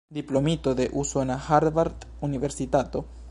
Diplomito de usona Harvard-universitato.